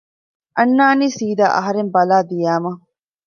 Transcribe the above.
އަންނާނީ ސީދާ އަހަރެން ބަލާ ދިޔައިމަ